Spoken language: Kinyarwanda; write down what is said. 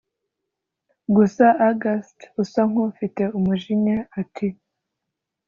gusa august usa nkufite umujinya ati’